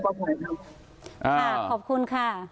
ขอบคุณค่ะ